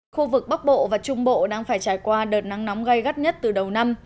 khu vực bắc bộ và trung bộ đang phải trải qua đợt nắng nóng gai gắt nhất từ đầu năm